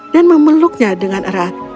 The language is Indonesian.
dan memeluknya dengan erat